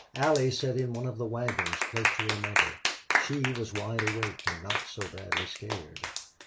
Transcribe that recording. Allie sat in one of the wagons close to her mother. She was wide awake and not so badly scared.